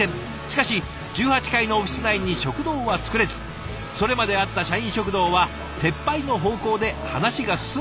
しかし１８階のオフィス内に食堂は作れずそれまであった社員食堂は撤廃の方向で話が進んでいたそうです。